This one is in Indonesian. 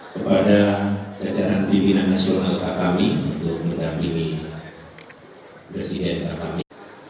kepada cacaran pimpinan nasional kakami untuk menegang ini presiden kakami